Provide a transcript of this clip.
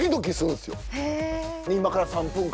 で今から３分間。